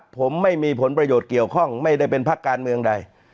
ผมไม่มีผลประโยชน์เกี่ยวข้องไม่ได้เป็นพักการเมืองใด